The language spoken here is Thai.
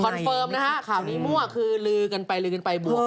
เฟิร์มนะฮะข่าวนี้มั่วคือลือกันไปลือกันไปบวก